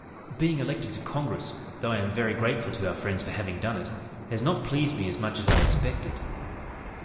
"Being elected to Congress, though I am very grateful to our friends for having done it, has not pleased me as much as I expected."